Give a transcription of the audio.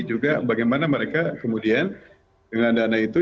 juga bagaimana mereka kemudian dengan dana itu